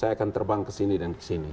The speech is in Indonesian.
saya akan terbang ke sini dan ke sini